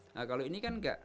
nah kalau ini kan nggak